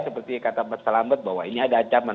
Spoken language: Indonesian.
seperti kata mas selamat bahwa ini ada ancaman